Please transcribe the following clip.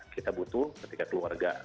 kita butuh ketika keluarga